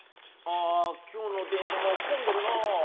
ああ今日の電車も混んどるのう。